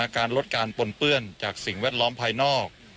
การลดการปนเปื้อนจากสิ่งแวดล้อมภายนอก